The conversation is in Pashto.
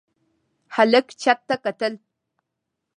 هلک چت ته کتل.